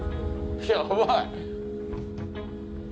やばい。